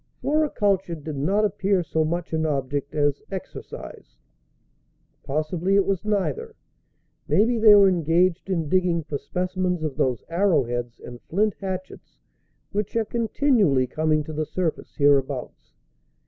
Floriculture did not appear so much an object as exercise. Possibly it was neither; maybe they were engaged in digging for specimens of those arrowheads and flint hatchets, which are continually coming to the surface hereabouts.